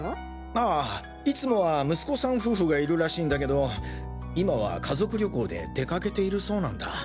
あぁいつもは息子さん夫婦がいるらしいんだけど今は家族旅行で出かけているそうなんだ。